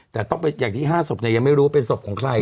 แต่อย่างที่๕ศพมันยังไม่รู้เป็นศพของใคร